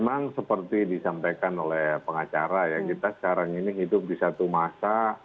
memang seperti disampaikan oleh pengacara ya kita sekarang ini hidup di satu masa